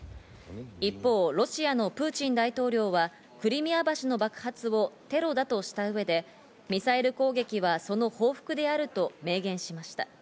一方、ロシアのプーチン大統領はクリミア橋の爆発をテロだとした上で、ミサイル攻撃はその報復であると明言しました。